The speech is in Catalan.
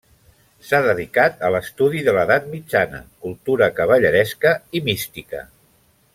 S'ha dedicat a l'estudi de l'Edat Mitjana: cultura cavalleresca i mística.